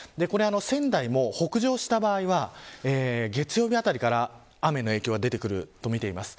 仙台も北上した場合は月曜日あたりから雨の影響が出てくるとみています。